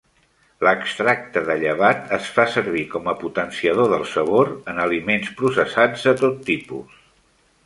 L'extracte de llevat es fa servir com a potenciador del sabor en aliments processats de tot tipus.